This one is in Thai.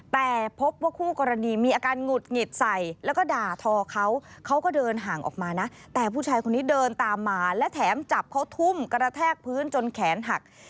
แต่พบว่าคู่กรณีมีอาการหงุดหงิดใส่แล้วก็ด่าทอเขาเขาก็เดินห่างออกมานะแต่ผู้ชายคนนี้เดินตามมาและแถมจับเขาทุ่มกระแทกพื้นจนแขนหัก